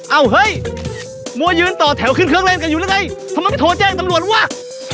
เอ้าเฮ้ยมัวยืนต่อแถวขึ้นเครื่องเล่นกันอยู่หรือไงทำไมไม่โทรแจ้งตำรวจว่ะ